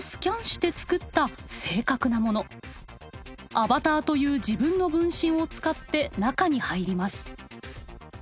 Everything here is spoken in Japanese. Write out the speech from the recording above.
アバターという自分の分身を使って中に入ります。